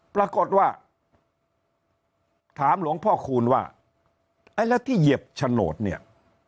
ปรากฏว่าถามหลวงพ่อคูณว่าไอ้แล้วที่เหยียบโฉนดเนี่ย